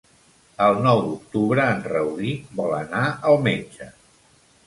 El nou d'octubre en Rauric vol anar al metge.